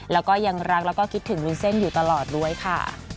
แล้วก็ยังรักแล้วก็คิดถึงวุ้นเส้นอยู่ตลอดด้วยค่ะ